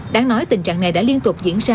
đáng nói tình trạng này đã liên tục diễn ra